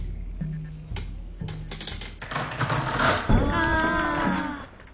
ああ。